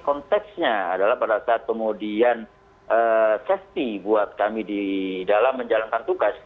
konteksnya adalah pada saat kemudian safety buat kami di dalam menjalankan tugas